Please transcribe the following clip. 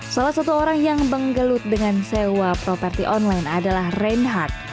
salah satu orang yang menggelut dengan sewa properti online adalah reinhardt